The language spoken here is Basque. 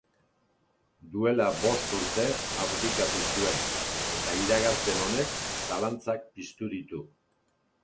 Duela bost urte abdikatu zuen, eta iragarpen honek zalantzak piztu ditu.